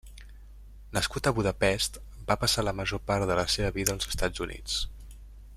Nascut a Budapest, va passar la major part de la seva vida als Estats Units.